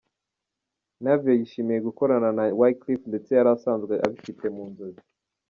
Navio yishimiye gukorana na Wyclef ndetse yari asanzwe abifite mu nzozi .